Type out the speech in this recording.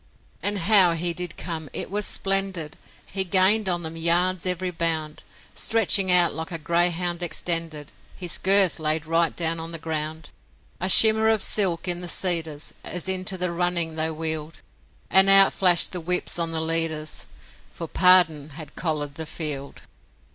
And how he did come! It was splendid; He gained on them yards every bound, Stretching out like a greyhound extended, His girth laid right down on the ground. A shimmer of silk in the cedars As into the running they wheeled, And out flashed the whips on the leaders, For Pardon had collared the field.